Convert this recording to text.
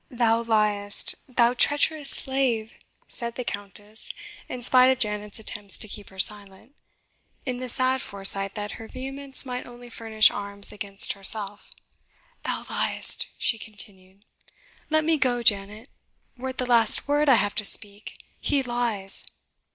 "Thou liest, thou treacherous slave!" said the Countess in spite of Janet's attempts to keep her silent, in the sad foresight that her vehemence might only furnish arms against herself "thou liest," she continued. "Let me go, Janet were it the last word I have to speak, he lies.